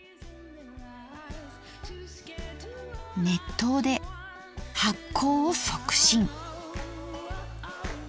熱湯で発酵を促進。